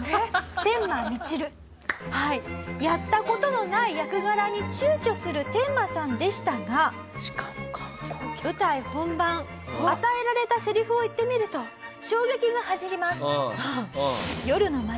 やった事のない役柄に躊躇するテンマさんでしたが舞台本番与えられたセリフを言ってみると衝撃が走ります。